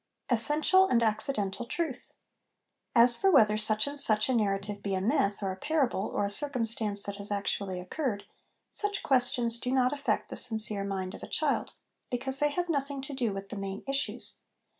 Essential and Accidental Truth. As for whether such and such a narrative be a myth, or a parable, or a circumstance that has actually occurred, such questions do not affect the sincere mind of a child, 250 HOME EDUCATION because they have nothing to do with the main issues.